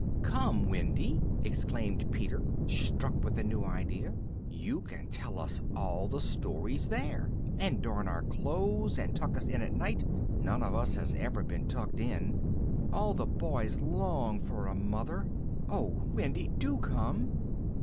"Come, Wendy!" exclaimed Peter, struck with a new idea. "You can tell us all the stories there, and darn our clothes, and tuck us in at night. None of us has ever been tucked in. All the boys long for a mother. Oh, Wendy, do come!"